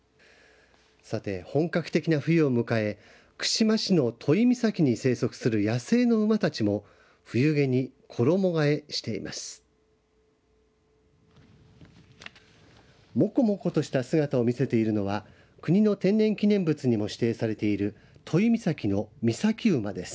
さて、本格的な冬を迎え串間市の都井岬に生息する野生の馬たちも冬毛に衣がえしています。